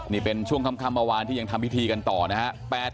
นี่เป็นช่วงค่ำเมื่อวานที่ยังทำพิธีกันต่อนะฮะ